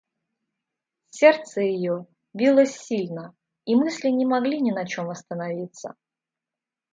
Сердце ее билось сильно, и мысли не могли ни на чем остановиться.